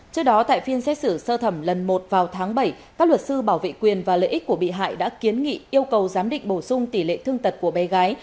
trước đó tại phiên xét xử sơ thẩm lần một vào tháng bảy các luật sư bảo vệ quyền và lợi ích của bị hại đã kiến nghị yêu cầu giám định bổ sung tỷ lệ thương tật của bé gái